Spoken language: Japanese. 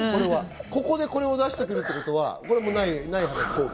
ここでこれを出してくるってことはもうない、ない話。